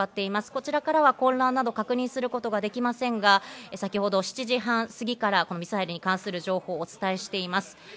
こちらからは混乱などを確認することができませんが、先ほど７時半過ぎからこのミサイルに関する情報をお伝えしています。